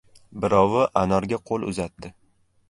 Birovi anorga qo‘l uzatdi.